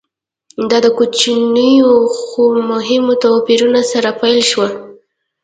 دا د کوچنیو خو مهمو توپیرونو سره پیل شوه